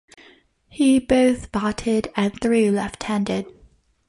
He both batted and threw left-handed.